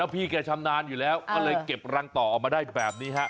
พี่แกชำนาญอยู่แล้วก็เลยเก็บรังต่อออกมาได้แบบนี้ฮะ